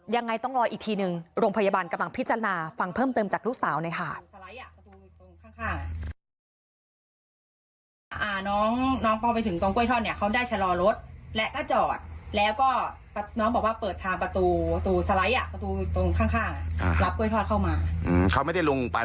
ยังไงต้องรออีกทีหนึ่งโรงพยาบาลกำลังพิจารณาฟังเพิ่มเติมจากลูกสาวหน่อยค่ะ